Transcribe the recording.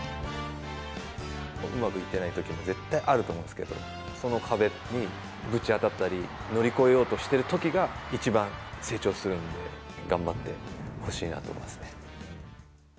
うまくいってないときも絶対あると思うんですけど、その壁にぶち当たったり、乗り越えようとしてるときが一番成長するんで、頑張ってほしいなと思いますね。